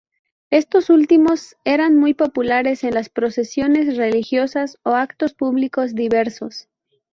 Estos últimos eran muy populares en las procesiones religiosas o actos públicos diversos.